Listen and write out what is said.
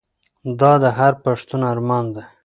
دا د هر پښتون ارمان دی.